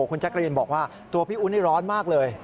คุณจักรีนบอกว่าตัวพี่อุร้อนมากเลย